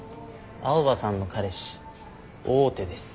青羽さんの彼氏大手です。